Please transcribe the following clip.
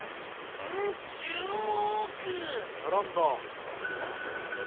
うん注目！